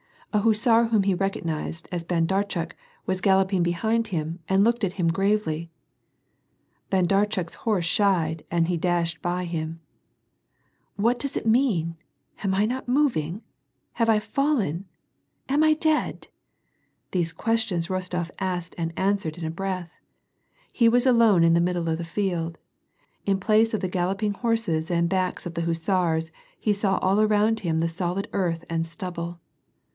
A hussar whom he recognized as Handarchuk was galloping behind him and looked at him gravely. Randarchuk's horse shied and he dashed by him. " What does it mean ? Am 1 not moving ? Have I fallen ? Ami dead ?" these questions Rostof asked and answered in a breath. He was alone in the middle of the iield. In place of the galloping horses and backs of the hussars, he saw all around . him the solid earth and stubble.